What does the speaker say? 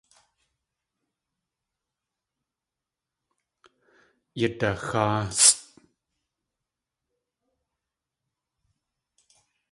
Yadaxáasʼ.